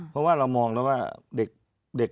เพราะว่าเรามองแล้วว่าเด็ก